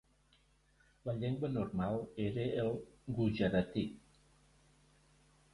La llengua normal era el gujarati.